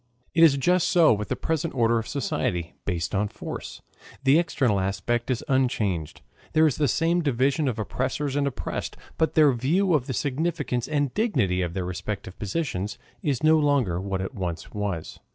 It is just so with the present order of society, based on force. The external aspect is unchanged. There is the same division of oppressors and oppressed, but their view of the significance and dignity of their respective positions is no longer what it once was.